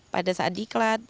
pada saat diklat